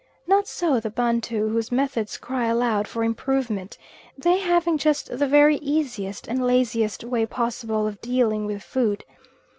Not so the Bantu, whose methods cry aloud for improvement, they having just the very easiest and laziest way possible of dealing with food.